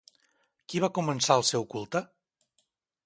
Qui va començar el seu culte?